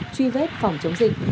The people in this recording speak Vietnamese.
truy vết phòng chống dịch